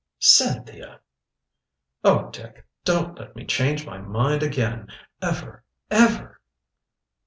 "Cynthia!" "Oh, Dick don't let me change my mind again ever ever!"